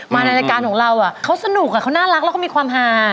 ในรายการของเราเขาสนุกเขาน่ารักแล้วก็มีความหา